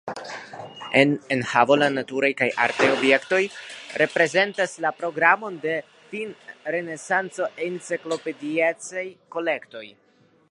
En enhavo la naturaj kaj artaj objektoj reprezentas la programon de la finrenesanco-enciklopediecaj kolektoj.